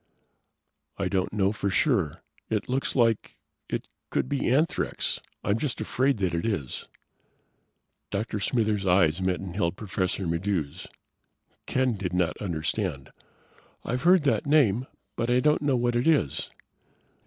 "I don't know for sure. It looks like it could be anthrax. I'm just afraid that it is." Dr. Smithers' eyes met and held Professor Maddox's. Ken did not understand. "I've heard that name, but I don't know what it is."